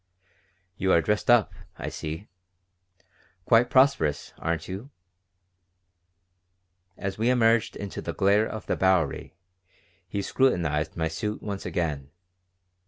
"You are dressed up, I see. Quite prosperous, aren't you?" As we emerged into the glare of the Bowery he scrutinized my suit once again.